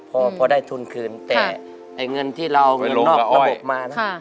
พอได้ทุนคืนแต่ไอ้เงินที่เราเอาเงินนอกระบบมานะ